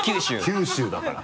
九州だから。